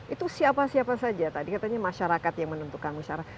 itu siapa siapa saja tadi katanya masyarakat yang menentukan masyarakat